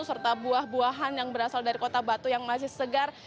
serta buah buahan yang berasal dari kota batu yang masih segar